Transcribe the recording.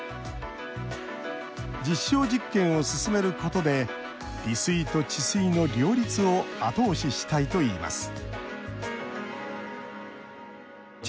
実証実験を進めることで利水と治水の両立を後押ししたいといいます